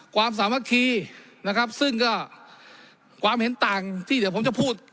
ความสามัคคีนะครับซึ่งก็ความเห็นต่างที่เดี๋ยวผมจะพูด